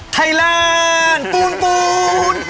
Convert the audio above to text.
ไทยแลนด์ปูน